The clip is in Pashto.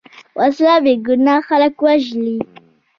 وسله بېګناه خلک وژلي